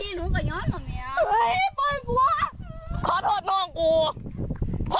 เห้ยเปิดหัว